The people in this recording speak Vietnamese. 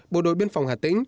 bộ đội biên phòng hà nội